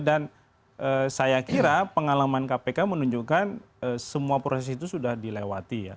dan saya kira pengalaman kpk menunjukkan semua proses itu sudah dilewati ya